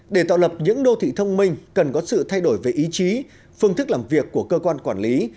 để tạo lập những đô thị thông minh cần có sự thay đổi về ý chí phương thức làm việc của cơ quan quản lý